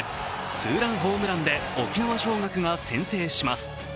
ツーランホームランで沖縄尚学が先制します。